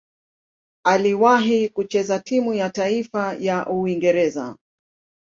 Aliwahi kucheza timu ya taifa ya Uingereza.